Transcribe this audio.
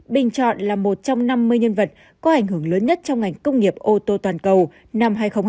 bình chọn là một trong năm mươi nhân vật có ảnh hưởng lớn nhất trong ngành công nghiệp ô tô toàn cầu năm hai nghìn hai mươi